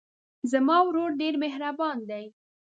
زما ورور ډېر مهربان دی.